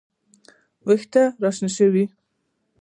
وېښته راشنه شي